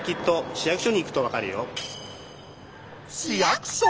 市役所？